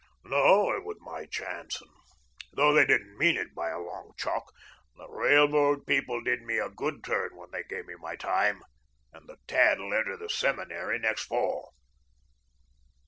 No, it was my chance, and though they didn't mean it by a long chalk, the railroad people did me a good turn when they gave me my time and the tad'll enter the seminary next fall."